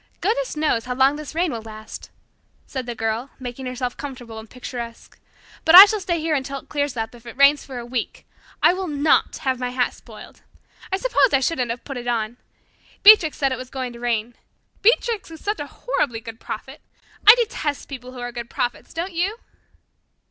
"Goodness knows how long this rain will last," said the Girl, making herself comfortable and picturesque, "but I shall stay here until it clears up, if it rains for a week. I will not have my hat spoiled. I suppose I shouldn't have put it on. Beatrix said it was going to rain. Beatrix is such a horribly good prophet. I detest people who are good prophets, don't you?"